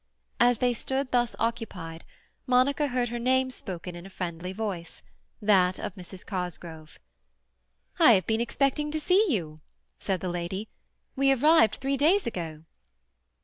As they stood thus occupied, Monica heard her name spoken in a friendly voice—that of Mrs. Cosgrove. "I have been expecting to see you," said the lady. "We arrived three days ago."